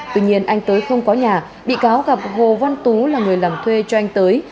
tuy nhiên anh tới không có nhà bị cáo gặp hồ văn tú là người làm thuê cho anh tới